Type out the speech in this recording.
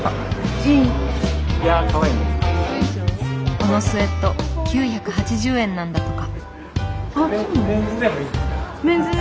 このスウェット９８０円なんだとか。